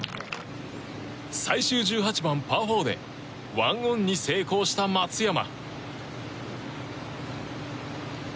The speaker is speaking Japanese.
最終１８番、パー４で１オンに成功した松山。